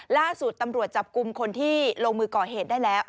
ล่าสุดตำรวจจับกลุ่มคนที่ลงมือก่อเหตุได้แล้ว